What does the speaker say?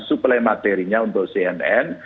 suplematerinya untuk cnn